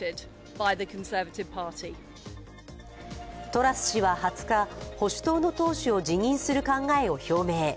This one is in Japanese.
トラス氏は２０日、保守党の党首を辞任する考えを表明。